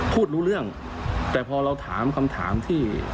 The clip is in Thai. พูดรู้เรื่องแต่พอเราถามคำถามที่